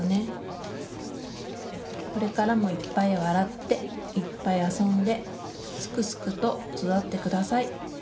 これからもいっぱい笑っていっぱい遊んですくすくと育ってください。